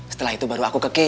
setelah itu baru aku ke key